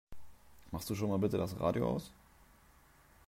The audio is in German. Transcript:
Machst du schon mal bitte das Radio aus?